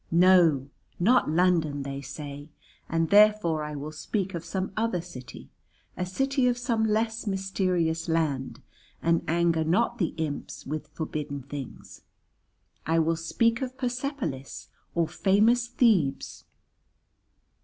'No, not London,' they say; and therefore I will speak of some other city, a city of some less mysterious land, and anger not the imps with forbidden things. I will speak of Persepolis or famous Thebes."